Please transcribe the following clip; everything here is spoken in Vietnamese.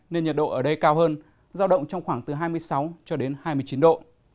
nên nhiệt độ ở đây cao hơn giao động trong khoảng từ hai mươi sáu cho đến hai mươi chín độ